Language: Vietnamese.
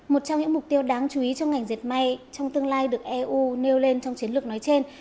một trong những mục tiêu đáng chú ý trong ngành diệt may trong tương lai được eu nêu lên trong chiến lược nói trên